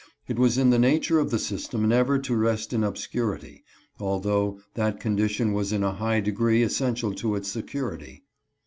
It was in the nature of the system never to rest in obscurity, although that condition was in a high degree essential to its security.